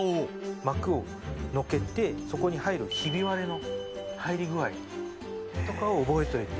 膜をのけて、そこに入るひび割れの入り具合とかを覚えといて。